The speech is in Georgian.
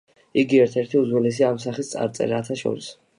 იგი ერთ-ერთი უძველესია ამ სახის წარწერათა შორის.